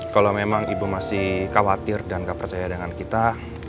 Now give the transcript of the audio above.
kalau memang ibu masih khawatir dan nggak percaya dengan kita